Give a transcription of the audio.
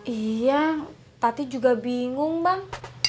iya tapi juga bingung bang